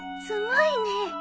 すごいね。